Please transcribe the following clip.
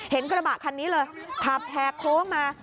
กระบะคันนี้เลยขับแหกโค้งมา